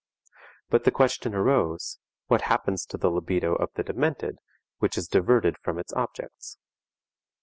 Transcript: But then the question arose, what happens to the libido of the demented, which is diverted from its objects?